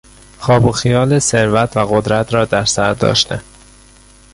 خواب و خیال ثروت و قدرت را در سر داشتن